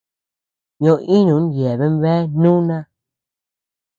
Ño-ínun yeaben bea núna.